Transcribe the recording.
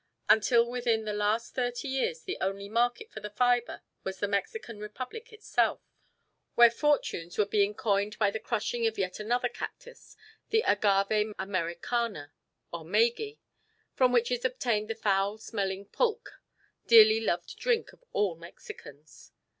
Until within the last thirty years the only market for the fibre was the Mexican Republic itself, where fortunes were being coined by the crushing of yet another cactus, the Agave Americana or maguey, from which is obtained the foul smelling pulque, dearly loved drink of all Mexicans.